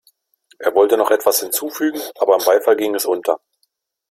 Er wollte noch etwas hinzufügen, aber im Beifall ging es unter.